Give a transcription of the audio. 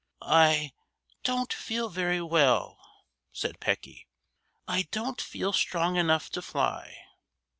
"I—don't feel very well," said Pecky. "I don't feel strong enough to fly."